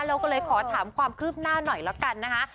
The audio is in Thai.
เราก็เลยขอถามความคืบหน้าหน่อยละกันนะคะ